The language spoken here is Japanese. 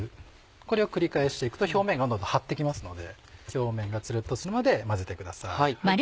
これを繰り返して行くと表面張って来ますので表面がつるっとするまで混ぜてください。